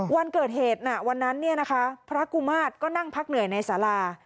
วันเกิดเหตุน่ะวันนั้นนี่นะคะพระกุมาตรก็นั่งพักเหนื่อยในศาลา